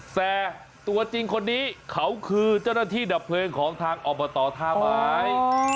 แต่ตัวจริงคนนี้เขาคือเจ้าหน้าที่ดับเพลิงของทางอบตท่าไม้